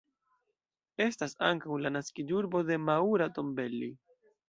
Estas ankaŭ la naskiĝurbo de Maura Tombelli.